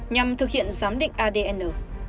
nhằm thực hiện giám định adn